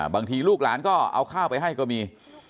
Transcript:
ลูกหลานก็เอาข้าวไปให้ก็มี